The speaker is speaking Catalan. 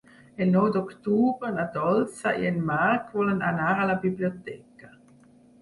El nou d'octubre na Dolça i en Marc volen anar a la biblioteca.